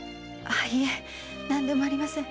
いえ何でもありません。